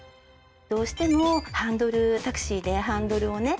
どうしてもハンドルタクシーでハンドルをね